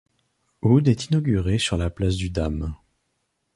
Oud est inauguré sur la place du Dam.